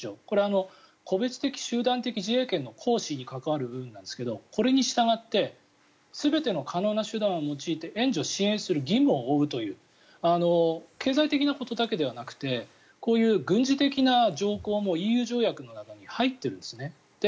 これは個別的・集団的自衛権に関わる部分ですがこれに従って全ての可能な手段を用いて援助・支援する義務を負うという経済的なことだけではなくてこういう軍事的な条項もＥＵ条約の中に入ってるんです。